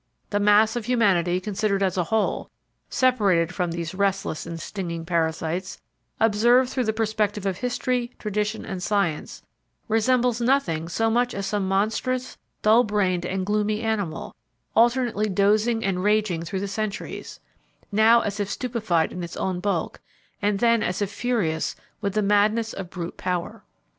The mass of humanity, considered as a whole, separated from these restless and stinging parasites, observed through the perspective of history, tradition and science, resembles nothing so much as some monstrous dull brained and gloomy animal, alternately dozing and raging through the centuries, now as if stupefied in its own bulk or then as if furious with the madness of brute power.